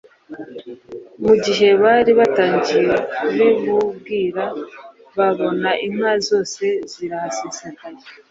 Mu gihe bari batangiye kubimubwira babona inka zose zirahasesekaye.